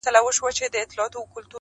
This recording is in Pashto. زه مي د شرف له دایرې وتلای نه سمه,